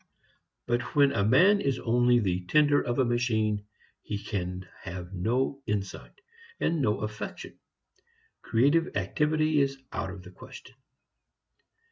But when a man is only the tender of a machine, he can have no insight and no affection; creative activity is out of the question.